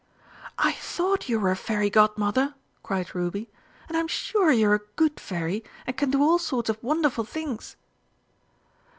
"I thought you were a Fairy Godmother!" cried Ruby; "and I'm sure you're a good Fairy, and can do all sorts of wonderful things."